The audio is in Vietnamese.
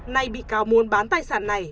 nay bị cáo muốn bán tài sản này